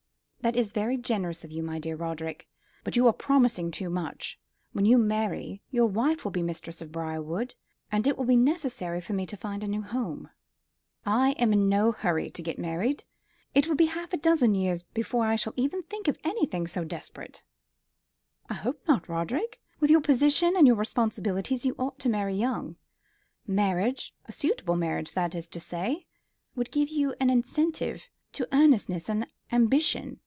"That is very generous of you, my dear Roderick; but you are promising too much. When you marry, your wife will be mistress of Briarwood, and it will be necessary for me to find a new home." "I am in no hurry to get married. It will be half a dozen years before I shall even think of anything so desperate." "I hope not, Roderick. With your position and your responsibilities you ought to marry young. Marriage a suitable marriage, that is to say would give you an incentive to earnestness and ambition.